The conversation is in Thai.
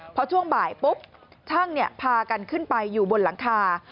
พอช่วงบ่ายปุ๊บช่างพากันขึ้นไปอยู่บนหลังคา